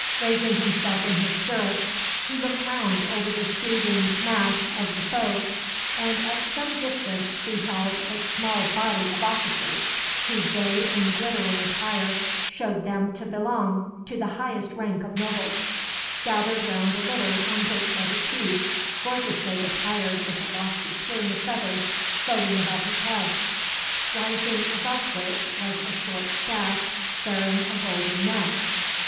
Raising himself in his stirrups, he looked round over the seething mass of the foe; and at some distance beheld a small body of officers, whose gay and glittering attire showed them to belong to the highest rank of nobles; gathered round a litter on which was a chief, gorgeously attired with a lofty plume of feathers floating above his head; rising above which was a short staff, bearing a golden net.